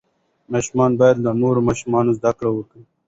ماشوم باید له نورو ماشومانو زده کړه وکړي.